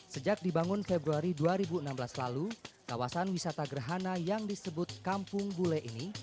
sejak dibangun februari dua ribu enam belas lalu kawasan wisata gerhana yang disebut kampung bule ini